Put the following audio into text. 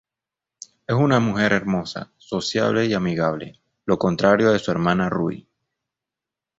Es una mujer hermosa, sociable y amigable, lo contrario de su hermana Rui.